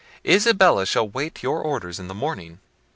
Isabella shall wait your orders in the morning."